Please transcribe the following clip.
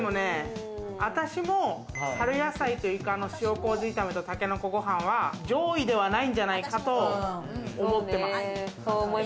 私も春野菜とイカの塩麹炒めとたけのこご飯は、上位ではないんじゃないかと思ってます。